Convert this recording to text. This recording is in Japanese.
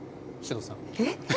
えっ？